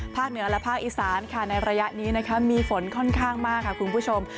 เหนือและภาคอีสานค่ะในระยะนี้นะคะมีฝนค่อนข้างมากค่ะคุณผู้ชม